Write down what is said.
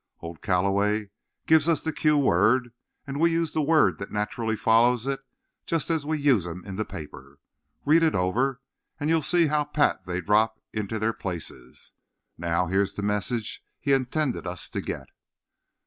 Old Calloway gives us the cue word, and we use the word that naturally follows it just as we use 'em in the paper. Read it over, and you'll see how pat they drop into their places. Now, here's the message he intended us to get."